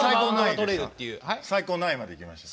最高何位までいきました？